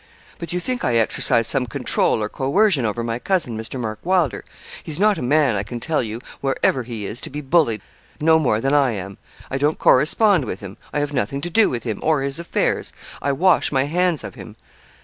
'But you think I exercise some control or coercion over my cousin, Mr. Mark Wylder. He's not a man, I can tell you, wherever he is, to be bullied, no more than I am. I don't correspond with him. I have nothing to do with him or his affairs; I wash my hands of him.'